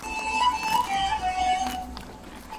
يوسف عليه السلام له خيانتونو څخه ځان وساتئ.